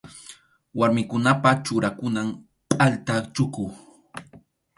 Warmikunapa churakunan pʼalta chuku.